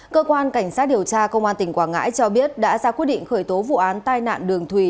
cơ quan cảnh sát điều tra công an tỉnh quảng ngãi cho biết đã ra quyết định khởi tố vụ án tai nạn đường thùy